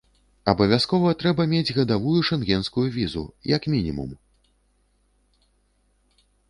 Абавязкова трэба мець гадавую шэнгенскую візу, як мінімум.